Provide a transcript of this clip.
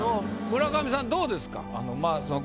村上さんどうですか？